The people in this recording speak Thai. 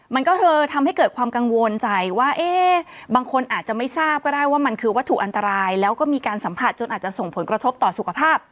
มันก็คือทำให้เกิดความกังวลใจว่าเอ๊ะบางคนอาจจะไม่ทราบก็ได้ว่ามันคือวัตถุอันตรายแล้วก็มีการสัมผัสจนอาจจะส่งผลกระทบต่อสุขภาพ